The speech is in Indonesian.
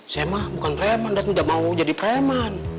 saya mah bukan preman dan tidak mau jadi preman